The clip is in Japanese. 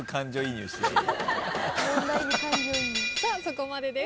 さあそこまでです。